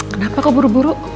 kenapa kok buru buru